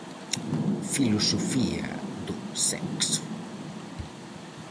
Filosofía do sexo.